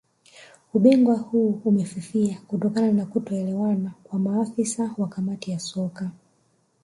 Ubingwa huu umefifia kutokana na kutoelewana kwa maafisa wa Kamati ya Soka